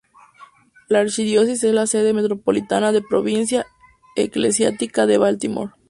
La archidiócesis es la sede metropolitana de Provincia Eclesiástica de Baltimore.